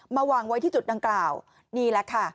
วางไว้ที่จุดดังกล่าวนี่แหละค่ะ